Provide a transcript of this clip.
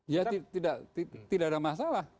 ya tidak ada masalah